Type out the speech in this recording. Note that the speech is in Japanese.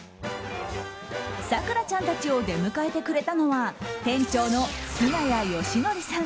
咲楽ちゃんたちを出迎えてくれたのは店長の菅谷義則さん。